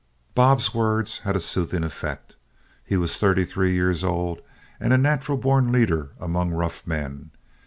Bob's words had a soothing effect. He was thirty three years old and a natural born leader among rough men.